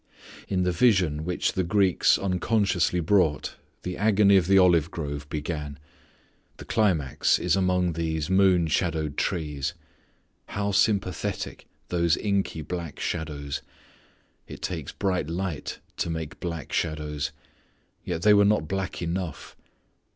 In the vision which the Greeks unconsciously brought the agony of the olive grove began. The climax is among these moon shadowed trees. How sympathetic those inky black shadows! It takes bright light to make black shadows. Yet they were not black enough.